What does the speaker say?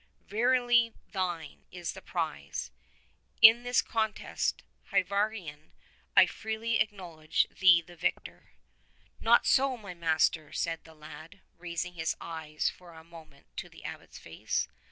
Verily thine is the prize. In this contest, Hyvar nion, I freely acknowledge thee the victor." "Not so, my master," said the lad, raising his eyes for a moment to the Abbot's face.